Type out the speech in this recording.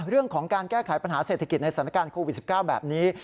เรื่องของการแก้ไขปัญหาเศรษฐกิจในสถานการณ์โควิด๑๙แบบนี้